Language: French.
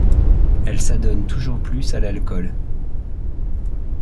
Elle s'adonne toujours plus à l'alcool.